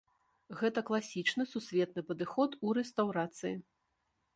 Гэта класічны сусветны падыход у рэстаўрацыі.